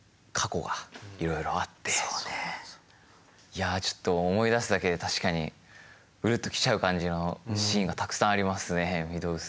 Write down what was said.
いやちょっと思い出すだけで確かにうるっときちゃう感じのシーンがたくさんありますね御堂筋。